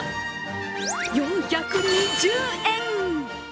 ４２０円。